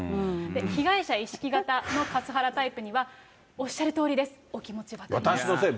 被害者意識型のカスハラタイプには、おっしゃるとおりです、お気持ち分かりま私のせい？